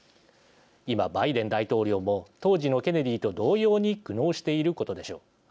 今、バイデン大統領も当時のケネディと同様に苦悩していることでしょう。